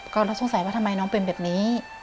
ก็เราสงสัยว่าทำไมน้องเป็นแบบนี้